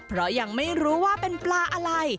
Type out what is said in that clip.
เพราะยังไม่รู้ว่าเป็นปลาอะไร